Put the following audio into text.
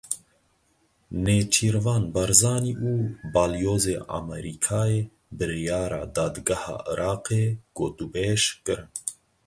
Nêçîrvan Barzanî û Balyozê Amerîkayê biryara dadgeha Iraqê gotûbêj kirin.